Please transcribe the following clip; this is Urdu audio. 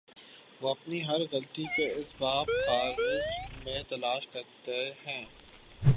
وہ اپنی ہر غلطی کے اسباب خارج میں تلاش کرتے ہیں۔